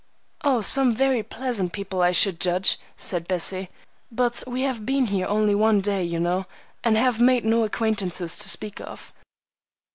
"Oh, some very pleasant people, I should judge," said Bessie, "but we have been here only one day, you know, and have made no acquaintances to speak of.